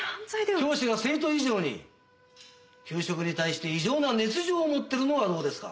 教師が生徒以上に給食に対して異常な熱情を持っているのはどうですか？